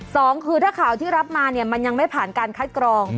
สองคือถ้าข่าวที่รับมาเนี่ยมันยังไม่ผ่านการคัดกรอง